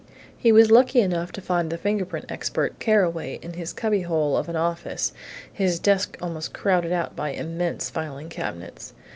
He was lucky enough to find the fingerprint expert, Carraway, in his cubbyhole of an office, his desk almost crowded out by immense filing cabinets.